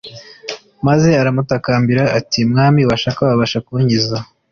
maze aramutakambira ati : "Mwami washaka wabasha kunkiza."